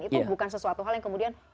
itu bukan sesuatu hal yang kemudian